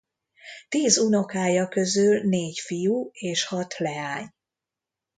Tíz unokája közül négy fiú és hat leány.